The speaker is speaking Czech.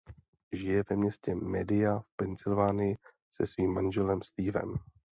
Žije ve městě Media v Pensylvánii se svým manželem Stevem.